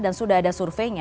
dan sudah ada surveinya